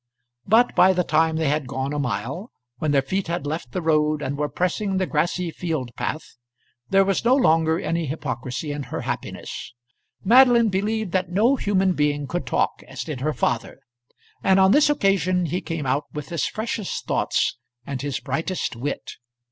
But by the time that they had gone a mile, when their feet had left the road and were pressing the grassy field path, there was no longer any hypocrisy in her happiness. Madeline believed that no human being could talk as did her father, and on this occasion he came out with his freshest thoughts and his brightest wit.